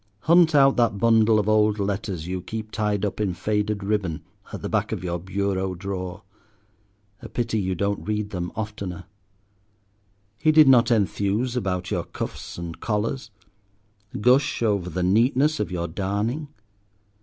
Hunt out that bundle of old letters you keep tied up in faded ribbon at the back of your bureau drawer—a pity you don't read them oftener. He did not enthuse about your cuffs and collars, gush over the neatness of your darning.